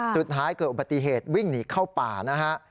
เกิดอุบัติเหตุวิ่งหนีเข้าป่านะฮะ